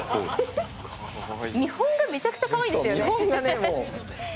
見本がめちゃくちゃかわいいですよね。